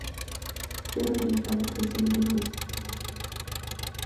Tiene una hija la actriz Emily Russell de una relación anterior.